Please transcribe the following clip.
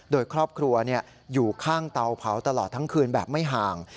โดยครอบครัวอยู่ข้างเตาเผาตลอดทั้งคืนแบบไม่ห่าง